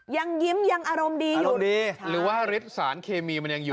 ยังยิ้มยังอารมณ์ดีอยู่อารมณ์ดีหรือว่าฤทธิ์สารเคมีมันยังอยู่